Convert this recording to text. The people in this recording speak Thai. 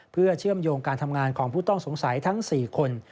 เพื่อเชื่อมโยงการทำงานของผู้ต้องสงสัยทั้ง๔คน